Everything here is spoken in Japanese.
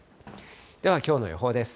では、きょうの予報です。